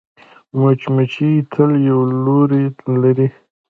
مچمچۍ تل یو لوری لري